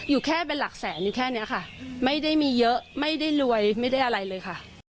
อยู่แค่เป็นหลักแสนอยู่แค่นี้ค่ะไม่ได้มีเยอะไม่ได้รวยไม่ได้อะไรเลยค่ะ